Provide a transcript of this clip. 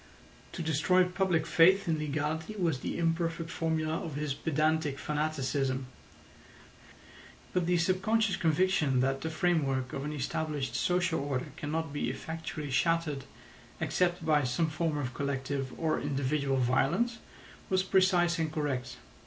To destroy public faith in legality was the imperfect formula of his pedantic fanaticism; but the subconscious conviction that the framework of an established social order cannot be effectually shattered except by some form of collective or individual violence was precise and correct.